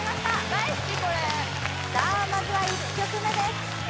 大好きこれさあまずは１曲目です